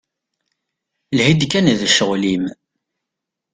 Lhi-d kan d ccɣel-im.